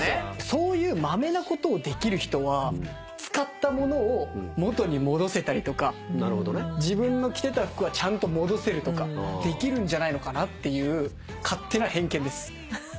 そういうまめなことをできる人は使った物を元に戻せたりとか自分の着てた服はちゃんと戻せるとかできるんじゃないのかなっていう勝手な偏見です。